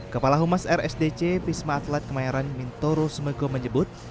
kepala humas rsdc wisma atlet kemayoran mintoro sumego menyebut